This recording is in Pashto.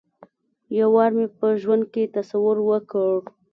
یو وار مې په ژوند کې تصور وکړ.